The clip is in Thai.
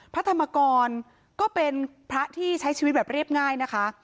พระธรรมกรก็เป็นพระที่ใช้ชีวิตแบบเรียบง่ายนะคะ